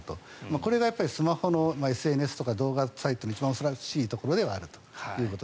これがスマホのＳＮＳとか動画サイトの一番恐ろしいところではあると。